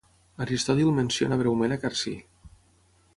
Aristòtil menciona breument a Carcí.